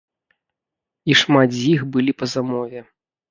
І шмат з іх былі па замове.